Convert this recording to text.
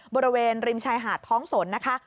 บริเวณริมชายหาดท้องสนนะคะ